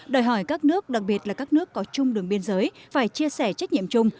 đòi hỏi các nước đặc biệt là các nước có chung đường biên giới phải chia sẻ trách nhiệm chung